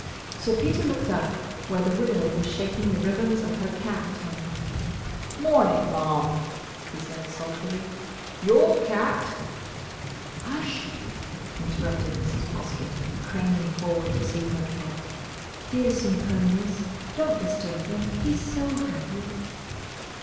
Sir Peter looked up, where the widow was shaking the ribbons of her cap at him. "Morning, ma'am," he said, sulkily. "Your cat—" "Hush!" interrupted Mrs. Poskett, craning forward to see her pet. "Dear Sempronius!—Don't disturb him! He's so happy!"